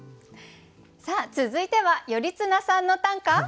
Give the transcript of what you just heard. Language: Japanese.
さあ続いては頼綱さんの短歌。